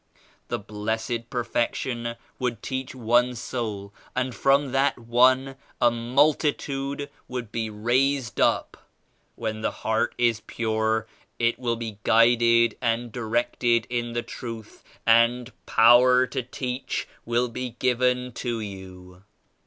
The Blessed Perfec tion would teach one soul and from that one a multitude would be raised up. When the heart is pure it will be guided and directed in the Truth, and power to teach will be given to you."